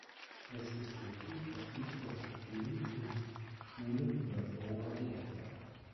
Es ist richtig, dass künstlerische Themen in Schulen in ganz Europa gelehrt werden.